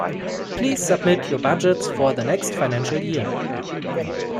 Please submit your budgets for the next financial year